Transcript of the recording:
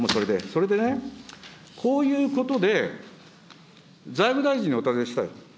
それでね、こういうことで、財務大臣にお尋ねしたい。